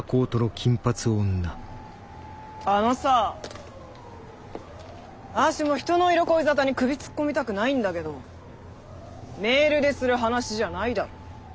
あのさ私も人の色恋沙汰に首突っ込みたくないんだけどメールでする話じゃないだろ。